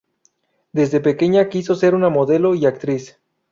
Desde pequeña quiso ser una modelo y actriz.